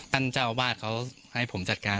ตั้งเจ้าบ้านเขาให้ผมจัดการ